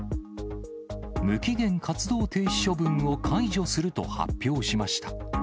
無期限活動停止処分を解除すると発表しました。